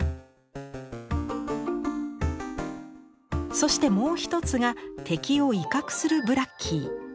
そしてもう一つが敵を威嚇するブラッキー。